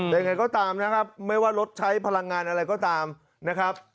แต่ยังไงก็ตามนะครับไม่ว่ารถใช้พลังงานอะไรก็ตามนะครับ